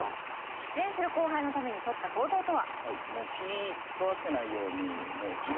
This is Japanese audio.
喫煙する後輩のためにとった行動とは？